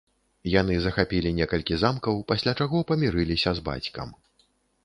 Яны захапілі некалькі замкаў, пасля чаго памірыліся з бацькам.